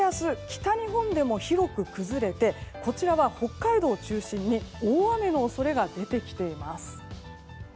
北日本でも広く崩れてこちらは北海道を中心に大雨の恐れが出てきています。